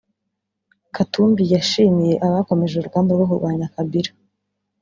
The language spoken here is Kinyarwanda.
Katumbi yashimiye abakomeje urugamba rwo kurwanya Kabila